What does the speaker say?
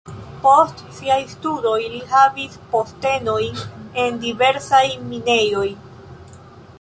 Post siaj studoj li havis postenojn en diversaj minejoj.